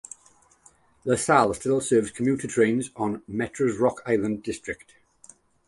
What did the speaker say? LaSalle still serves commuter trains on Metra's Rock Island District.